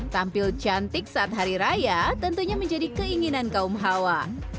tampil cantik saat hari raya tentunya menjadi keinginan kaum hawa